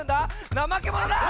ナマケモノだ！